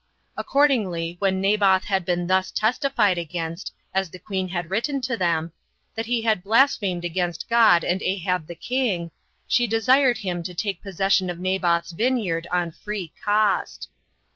Accordingly, when Naboth had been thus testified against, as the queen had written to them, that he had blasphemed against God and Ahab the king, she desired him to take possession of Naboth's vineyard on free cost.